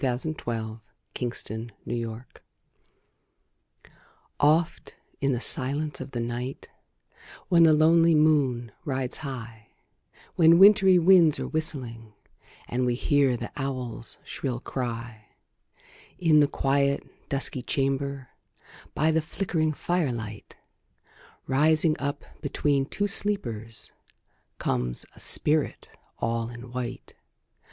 Louisa May Alcott Our Little Ghost OFT, in the silence of the night, When the lonely moon rides high, When wintry winds are whistling, And we hear the owl's shrill cry, In the quiet, dusky chamber, By the flickering firelight, Rising up between two sleepers, Comes a spirit all in white.